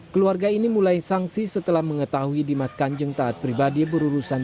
keluarga ini mulai sangsi setelah mengetahui dimas kanjeng taat pribadi berurusan